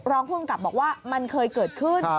รองผู้กำกับบอกว่ามันเคยเกิดขึ้น